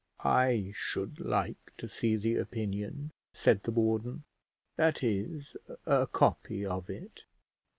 "I should like to see the opinion," said the warden; "that is, a copy of it."